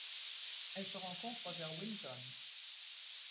Elle se rencontre vers Winton.